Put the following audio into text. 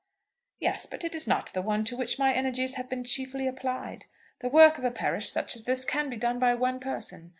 "Yes; but it is not the one to which my energies have been chiefly applied. The work of a parish such as this can be done by one person.